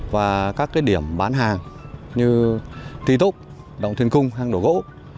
và các cái điểm bán hàng như thi túc động thuyền cung hang đổ gỗ